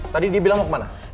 tadi dia bilang mau kemana